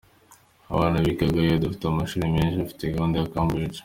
Abana bigaga yo ,dufite amashuri menshi afite gahunda ya Cambridge.